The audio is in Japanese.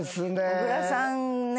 小倉さんね